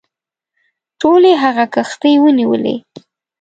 ټولي هغه کښتۍ ونیولې.